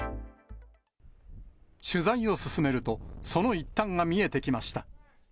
取材を進めると、その一端が見えてきました。